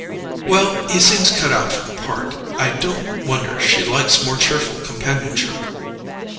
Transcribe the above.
"Well, he seems cut out for the part—I don't wonder she likes more cheerful companionship."